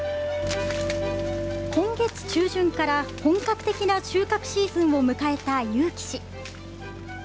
今月中旬から本格的な収穫シーズンを迎えた結城市。